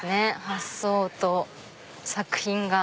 発想と作品が。